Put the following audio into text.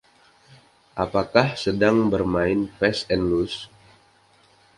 Apakah sedang bermain Fast and Loose